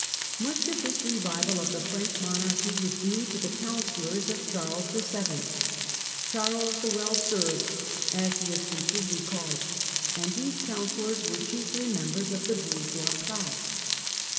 Much of this revival of the French Monarchy was due to the counsellors of Charles VII., Charles the well served, as he has been truly called ; and these counsellors were chiefly members of the bourgeois class.